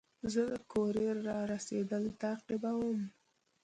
زه د کوریر رارسېدل تعقیبوم.